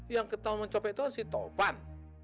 yang ketahuan ketahuan si topan